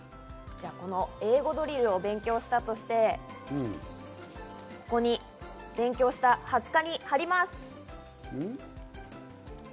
英語ドリルを勉強したとして、ここに勉強した２０日に貼ります。